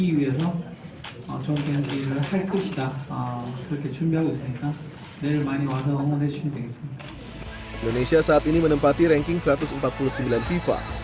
indonesia saat ini menempati ranking satu ratus empat puluh sembilan fifa